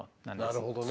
なるほどね。